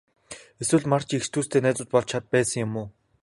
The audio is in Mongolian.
Эсвэл Марчийн эгч дүүстэй найзууд болж байсан уу?